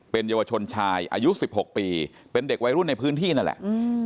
เป็นเยาวชนชายอายุ๑๖ปีเป็นเด็กวัยรุ่นในพื้นที่นั่นแหละ